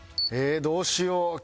えっどうしよう。